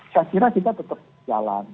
saya kira kita tetap jalan